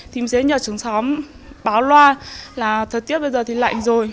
thì mình sẽ nhờ trường xóm báo loa là thời tiết bây giờ thì lạnh rồi